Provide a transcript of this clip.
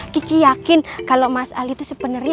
kiki yakin kalau mas al itu sebenernya